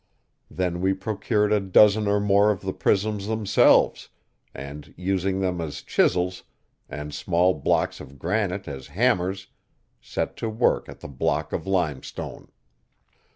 Then we procured a dozen or more of the prisms themselves, and, using them as chisels, and small blocks of granite as hammers, set to work at the block of limestone.